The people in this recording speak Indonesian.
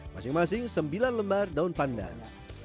masing masing sembilan lembar daun pandan